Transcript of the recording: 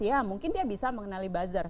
ya mungkin dia bisa mengenali buzzer